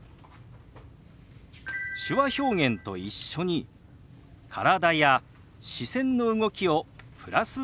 手話表現と一緒に体や視線の動きをプラスすることです。